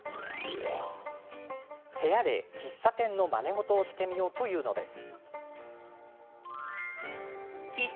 部屋で、喫茶店のまね事をしてみようというのです。